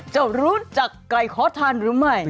จะรู้จักไก่ขอทานหรือไม่